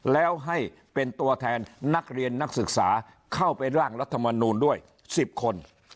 แล้วให้เป็นตัวแทนนักเรียนนักศึกษาเข้าไปร่างรัฐมนูลด้วย๑๐คน